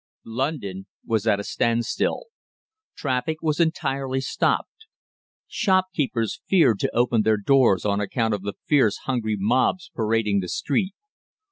London was at a standstill. Trade was entirely stopped. Shopkeepers feared to open their doors on account of the fierce, hungry mobs parading the street.